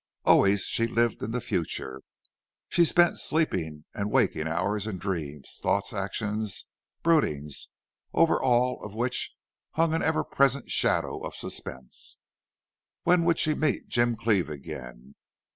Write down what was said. Always she lived in the future. She spent sleeping and waking hours in dreams, thoughts, actions, broodings, over all of which hung an ever present shadow of suspense. When would she meet Jim Cleve again?